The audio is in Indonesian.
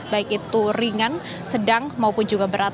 baik itu ringan sedang maupun juga berat